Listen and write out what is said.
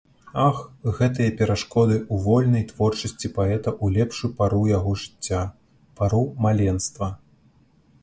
Ах, гэтыя перашкоды ў вольнай творчасці паэта ў лепшую пару яго жыцця, пару маленства!